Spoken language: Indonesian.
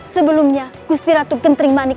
sebelumnya gusti ratu genting manik